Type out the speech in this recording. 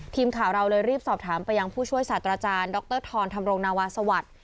ทีมข่าวเราเลยรีบสอบถามไปยังผู้ช่วยศาสตราจารย์ดรธรธรรมรงนาวาสวัสดิ์